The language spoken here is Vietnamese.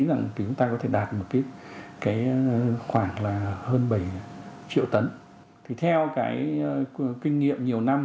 rằng thì chúng ta có thể đạt một cái khoảng là hơn bảy triệu tấn thì theo cái kinh nghiệm nhiều năm